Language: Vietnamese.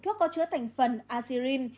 thuốc có chứa thành phần acyrin